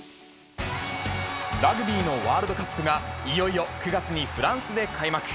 ラグビーのワールドカップが、いよいよ９月にフランスで開幕。